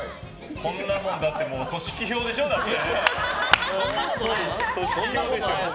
こんなもん組織票でしょだって。